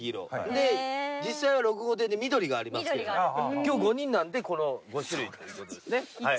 で実際は６号艇で緑がありますけど今日５人なんでこの５種類という事ですね。